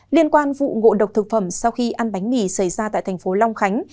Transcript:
liên quan vụ ngộ độc thực phẩm sau khi ăn bánh mì xảy ra tại tp long khánh